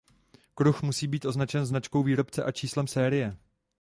Kruh musí být označen značkou výrobce a číslem série.